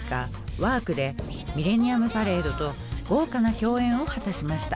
「Ｗ●ＲＫ」でｍｉｌｌｅｎｎｉｕｍｐａｒａｄｅと豪華な共演を果たしました。